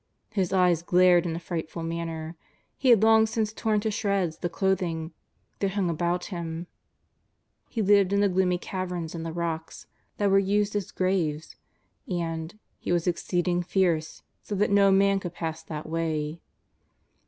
His eyes glared in a frightful manner. He had long since torn to shreds the clothing that hung about 228 JESUS OF NAZARETH. him. He lived in the gloomy caverns in the rocks that were used as graves, and '' he was exceeding fierce, so that no man could pass that way."